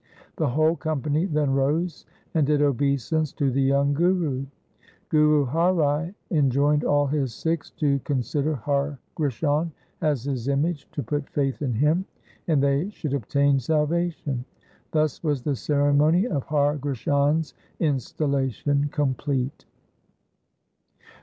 The whole company then rose and did obeisance to the young Guru. Guru Har Rai enjoined all his Sikhs to con sider Har Krishan as his image, to put faith in him, and they should obtain salvation. Thus was the ceremony of Har Krishan' s installation complete.